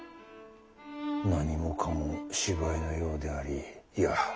何もかも芝居のようでありいや